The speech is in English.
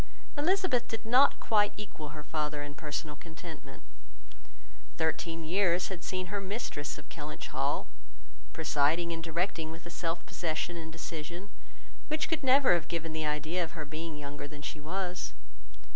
Elizabeth did not quite equal her father in personal contentment. Thirteen years had seen her mistress of Kellynch Hall, presiding and directing with a self possession and decision which could never have given the idea of her being younger than she was.